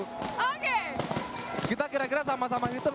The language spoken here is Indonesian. oke kita kira kira sama sama ngitung